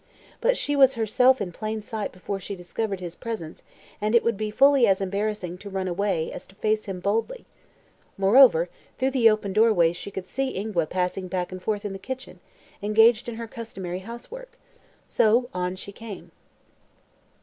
But she was herself in plain sight before she discovered his presence and it would be fully as embarrassing to run away as to face him boldly. Moreover, through the open doorway she could see Ingua passing back and forth in the kitchen, engaged in her customary housework. So on she came.